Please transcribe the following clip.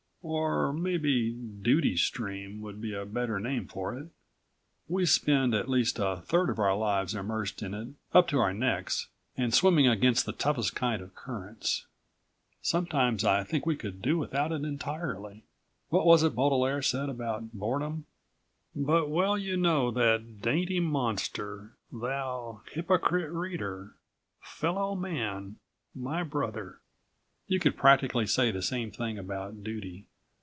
Or maybe duty stream would be a better name for it. We spend at least a third of our lives immersed in it up to our necks and swimming against the toughest kind of currents. Sometimes I think we could do without it entirely. What was it Baudelaire said about boredom? "But well you know that dainty monster, thou, hypocrite reader, fellow man, my brother." You could practically say the same thing about duty.